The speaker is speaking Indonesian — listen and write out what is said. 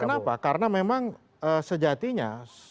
kenapa karena memang sejatinya